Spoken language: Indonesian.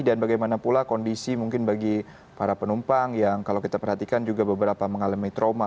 dan bagaimana pula kondisi mungkin bagi para penumpang yang kalau kita perhatikan juga beberapa mengalami trauma